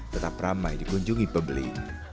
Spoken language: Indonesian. tetap ramai dikunjungi pebeli